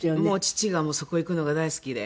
父がそこへ行くのが大好きで。